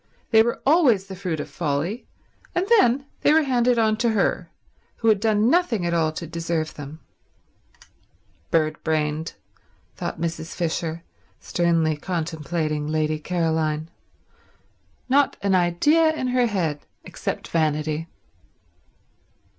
They were always the fruit of folly; and then they were handed on to her, who had done nothing at all to deserve them. "Bird brained," thought Mrs. Fisher, sternly contemplating Lady Caroline. "Not an idea in her head except vanity."